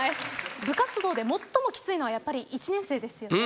部活動で最もきついのはやっぱり１年生ですよね。